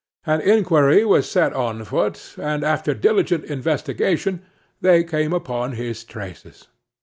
An inquiry was set on foot, and after diligent investigation they came upon his traces.